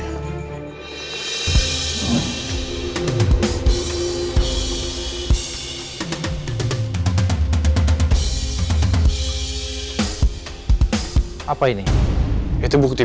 saya udah bilang eva semua khusus